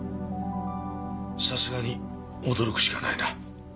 さすがに驚くしかないな。